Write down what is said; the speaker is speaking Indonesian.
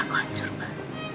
tapi aku hancur mbak